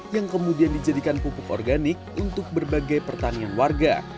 yang kemudian dijadikan pupuk organik untuk berbagai pertanian warga